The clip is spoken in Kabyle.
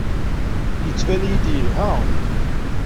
Yettban-iyi-d yelha.